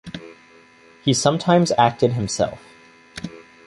He sometimes acted himself.